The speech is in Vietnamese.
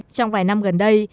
trong vài năm gần đây